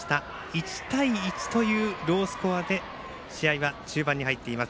１対１というロースコアで試合は中盤に入っています